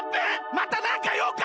またなんかようか？